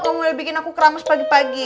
kamu udah bikin aku keramas pagi pagi